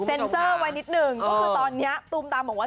เซอร์ไว้นิดหนึ่งก็คือตอนนี้ตูมตามบอกว่า